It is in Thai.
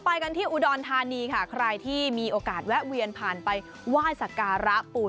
ไปกันที่อุดรธานีค่ะใครที่มีโอกาสแวะเวียนผ่านไปไหว้สักการะปูน